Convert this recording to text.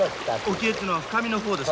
沖へっていうのは深みの方ですね？